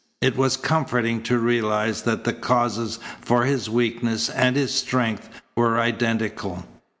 It was comforting to realize that the causes for his weakness and his strength were identical.